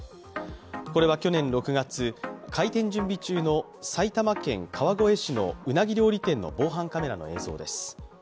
これは去年６月、開店準備中の埼玉県川越市のうなぎ料理店の防犯カメラの映像です。